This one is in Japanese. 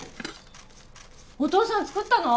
お父さん作ったの？